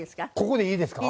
ここでいいですか？